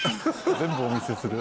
全部お見せする。